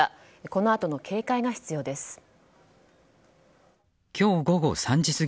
このあとも警戒が必要です。